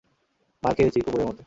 মার খেয়েছি, কুকুরের মত।